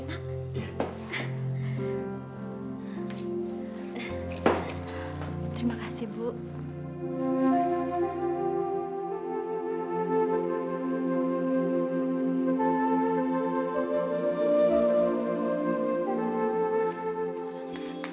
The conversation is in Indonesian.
ambil diri nak